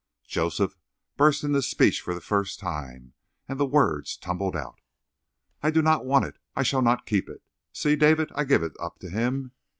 Joseph burst into speech for the first time, and the words tumbled out. "I do not want it. I shall not keep it. See, David; I give it up to him!"